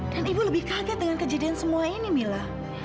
dan ibu lebih kaget dengan kejadian semua ini mila